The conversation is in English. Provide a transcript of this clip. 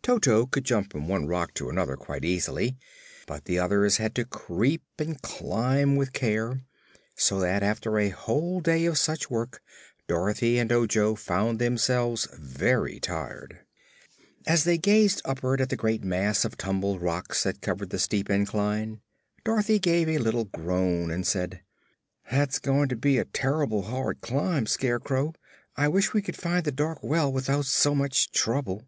Toto could jump from one rock to another quite easily, but the others had to creep and climb with care, so that after a whole day of such work Dorothy and Ojo found themselves very tired. As they gazed upward at the great mass of tumbled rocks that covered the steep incline, Dorothy gave a little groan and said: "That's going to be a ter'ble hard climb, Scarecrow. I wish we could find the dark well without so much trouble."